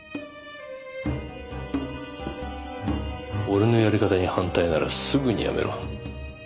俺のやり方に反対ならすぐにやめろ。